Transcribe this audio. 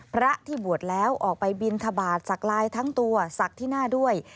พระที่บวชแล้วออกไปบินทบาทสักลายทั้งตัวศักดิ์ที่หน้าด้วย